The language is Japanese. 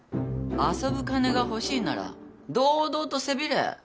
遊ぶ金が欲しいなら堂々とせびれ。